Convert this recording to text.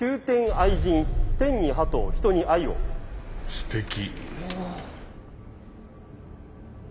すてき。